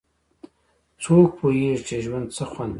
څوک پوهیږي چې ژوند څه خوند لري